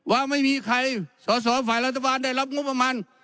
ว่าไม่มีใครสอสอฝ่ายรัฐบาลได้รับงบประมาณ